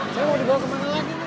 saya mau dibawa kemana lagi nih